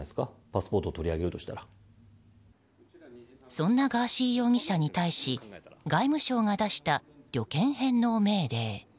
そんなガーシー容疑者に対し外務省が出した旅券返納命令。